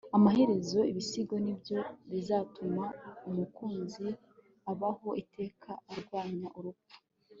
amaherezo, ibisigo nibyo bizatuma umukunzi abaho iteka, arwanya urupfu